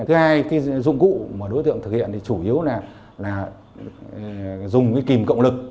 thứ hai dụng cụ mà đối tượng thực hiện chủ yếu là dùng kìm cộng lực